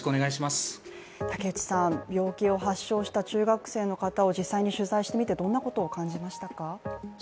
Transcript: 病気を発症した中学生の方を実際に取材してみてどんなことを感じましたか？